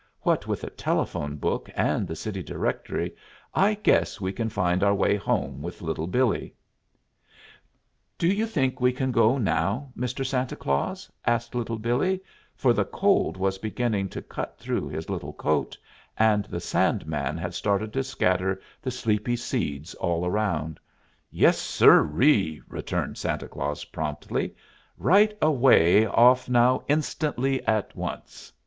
"What with the telephone book and the city directory, I guess we can find our way home with Little Billee." "Do you think we can go now, Mr. Santa Claus?" asked Little Billee, for the cold was beginning to cut through his little coat, and the sandman had started to scatter the sleepy seeds all around. "Yes, sirree!" returned Santa Claus promptly. "Right away off now instantly at once!